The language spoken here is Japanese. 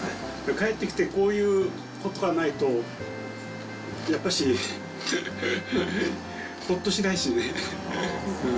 帰ってきてこういうことがないと、やっぱしほっとしないしね。